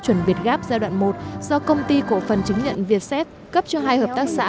chuẩn việt gáp giai đoạn một do công ty cổ phần chứng nhận việt xét cấp cho hai hợp tác xã